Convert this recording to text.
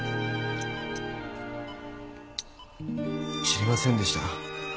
知りませんでした。